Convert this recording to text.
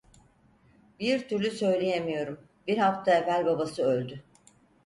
Bir türlü söyleyemiyorum, bir hafta evvel babası öldü…